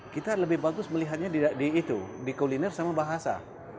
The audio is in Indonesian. kita lebih bagus melihatnya di itu di kuliner sama bahasa